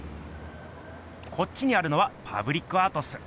こっちにあるのはパブリックアートっす。